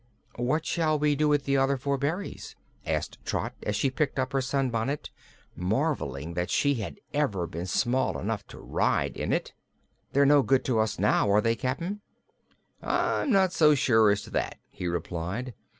"What shall we do with the other four berries?" asked Trot, as she picked up her sunbonnet, marveling that she had ever been small enough to ride in it. "They're no good to us now, are they, Cap'n?" "I'm not sure as to that," he replied.